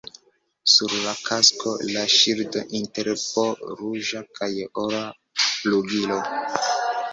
Sur la kasko la ŝildo inter po ruĝa kaj ora flugiloj.